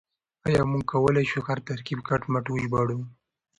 آيا موږ کولای شو هر ترکيب کټ مټ وژباړو؟